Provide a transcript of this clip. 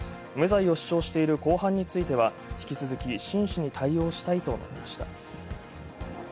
無罪を主張している公判については引き続き真摯に対応したいと述べました。